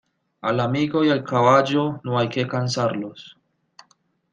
Al amigo y al caballo, no hay que cansarlos.